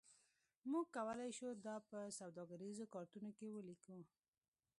موږ کولی شو دا په سوداګریزو کارتونو کې ولیکو